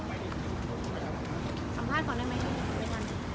อาหารกาล๖๔แดดของระหว่างเธอ